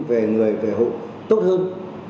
về người về hộ tốt hơn